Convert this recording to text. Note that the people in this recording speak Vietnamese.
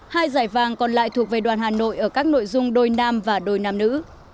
hai giải vàng còn lại thuộc về đoàn hà nội ở các nội dung đôi nam và đôi nam nữ